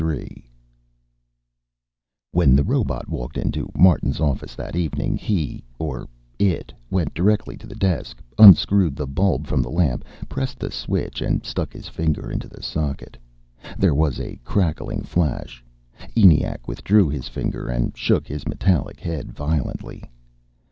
III When the robot walked into Martin's office that evening, he, or it, went directly to the desk, unscrewed the bulb from the lamp, pressed the switch, and stuck his finger into the socket. There was a crackling flash. ENIAC withdrew his finger and shook his metallic head violently.